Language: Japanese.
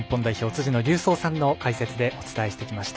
辻野隆三さんの解説でお伝えしてきました。